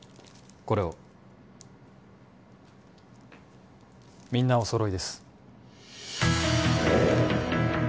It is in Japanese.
これをみんなお揃いです